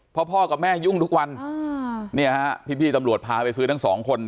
เพราะพ่อกับแม่ยุ่งทุกวันพี่ตำรวจพาไปซื้อทั้ง๒คน